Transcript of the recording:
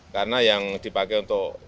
karena yang dipakai untuk